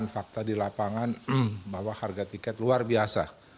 fakta di lapangan bahwa harga tiket luar biasa